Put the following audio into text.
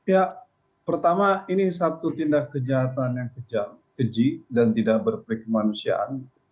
ya pertama ini satu tindak kejahatan yang keji dan tidak berperik kemanusiaan